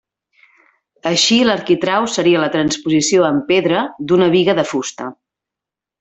Així l'arquitrau seria la transposició en pedra d'una biga de fusta.